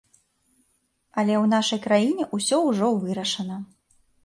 Але ў нашай краіне ўсё ўжо вырашана.